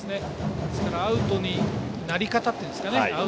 アウトのなり方というんですかね。